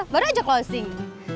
baru ajak closing